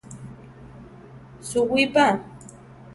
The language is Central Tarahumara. Suwí pa!